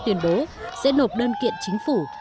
tuyên bố sẽ nộp đơn kiện chính phủ